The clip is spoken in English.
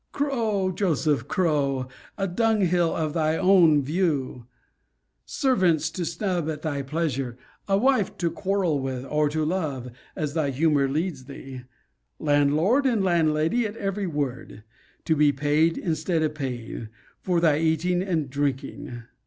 Crow, Joseph, crow! a dunghill of thy own in view; servants to snub at thy pleasure; a wife to quarrel with, or to love, as thy humour leads thee; Landlord and Landlady at every word; to be paid, instead of paying, for thy eating and drinking.